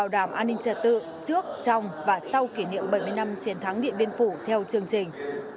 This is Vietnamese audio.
bảy mươi năm chiến thắng địa biên phủ theo chương trình